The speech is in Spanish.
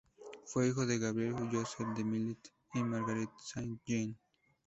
Fue hijo de Gabriel-Joseph de Millet y Marguerite Saint-Jean.